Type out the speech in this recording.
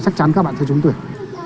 chắc chắn các bạn sẽ trúng tuyển